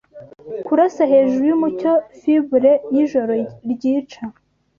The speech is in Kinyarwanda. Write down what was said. Kurasa hejuru yumucyo Fibure yijoro ryica